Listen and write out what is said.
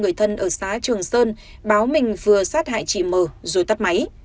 người thân ở xã trường sơn báo mình vừa sát hại chị m rồi tắt máy